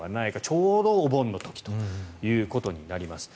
ちょうどお盆の時ということになります。